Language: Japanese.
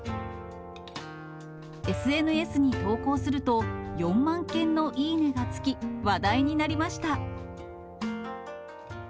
ＳＮＳに投稿すると、４万件のいいねがつき、話題になりました。